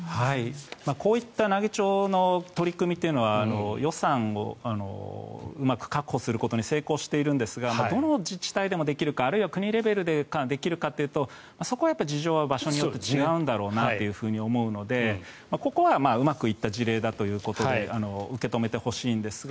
こういった奈義町の取り組みというのは予算をうまく確保することに成功しているんですがどの自治体でもできるかあるいは国レベルでできるかというとそこは事情は場所によって違うんだろうなと思うのでここはうまくいった事例だということで受け止めてほしいんですが。